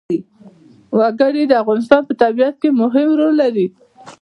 وګړي د افغانستان په طبیعت کې مهم رول لري.